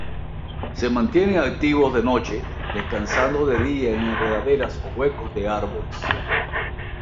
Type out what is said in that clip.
Se mantienen activos de noche, descansando de día en enredaderas o huecos de árboles.